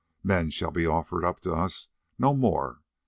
Men shall be offered up to us no more.